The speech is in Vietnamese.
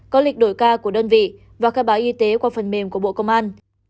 có lịch đổi ca của đơn vị và khai báo y tế qua phần mềm của bộ công an